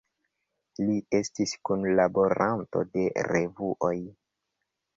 Li estis kunlaboranto de revuoj.